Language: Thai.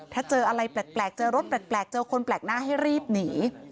ถ้าเจออะไรแปลกเจอรถแปลกเจอคนแปลกหน้าให้รีบหนี